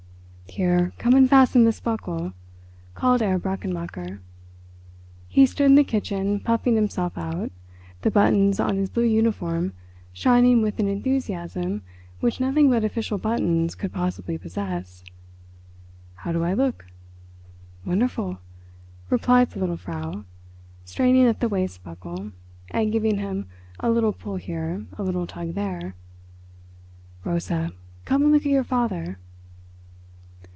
"Here, come and fasten this buckle," called Herr Brechenmacher. He stood in the kitchen puffing himself out, the buttons on his blue uniform shining with an enthusiasm which nothing but official buttons could possibly possess. "How do I look?" "Wonderful," replied the little Frau, straining at the waist buckle and giving him a little pull here, a little tug there. "Rosa, come and look at your father."